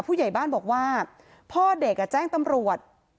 ผู้ใหญ่บ้านบอกว่าพ่อเด็กแจ้งตำรวจ